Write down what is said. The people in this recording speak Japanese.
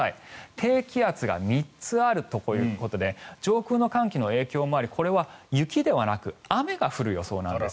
低気圧が３つあるということで上空の寒気の影響もありこれは雪ではなく雨が降る予想なんです。